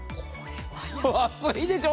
安いでしょ？